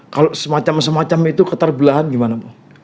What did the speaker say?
kalau semacam semacam itu keterbulahan gimana